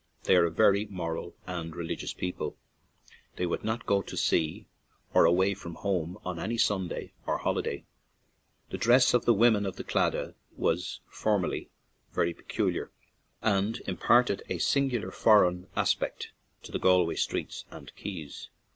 They are a very moral and religious people; they would not go to sea or away from home on any Sunday or holiday. The dress of the women of the Claddagh was formerly very peculiar, and imparted a singular foreign aspect to the Gal way streets and quays.